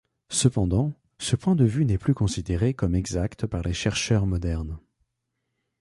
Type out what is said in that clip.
Cependant, ce point de vue n'est plus considéré comme exact par les chercheurs modernes.